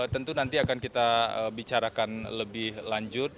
tentu nanti akan kita bicarakan lebih lanjut